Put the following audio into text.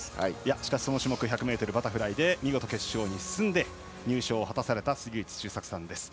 しかし、その種目１００ｍバタフライで見事決勝に進んで入賞を果たされた杉内周作さん。